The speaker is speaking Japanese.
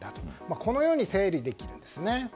このように整理できるんですね。